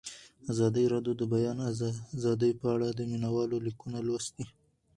ازادي راډیو د د بیان آزادي په اړه د مینه والو لیکونه لوستي.